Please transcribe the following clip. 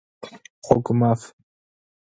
Гъогумаф!